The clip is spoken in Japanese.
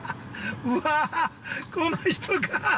うわぁ、この人か。